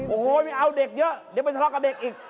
โอ้โหไม่เอาเด็กเยอะเดี๋ยวไปทะเลาะกับเด็กอีก